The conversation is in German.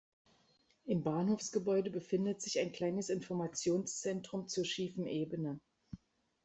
Im Bahnhofsgebäude befindet sich ein kleines Informationszentrum zur Schiefen Ebene.